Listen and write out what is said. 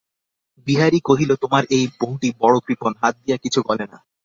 বিহারী কহিল, তোমার এই বউটি বড়ো কৃপণ, হাত দিয়া কিছু গলে না।